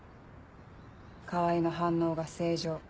川合の反応が正常。